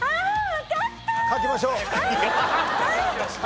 わかった！